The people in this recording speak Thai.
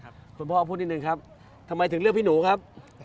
คุณพ่อพูดนิดนึงครับทำไมถึงเลือกพี่หนูครับ